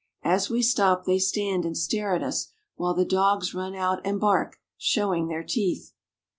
As we stop, they stand and stare at us, while the dogs run out and bark, showing their teeth.